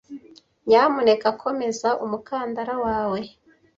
Nyamuneka komeza umukandara wawe.